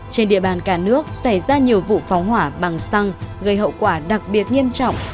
trên địa bàn cả nước xảy ra nhiều vụ phóng hỏa bằng xăng gây hậu quả đặc biệt nghiêm trọng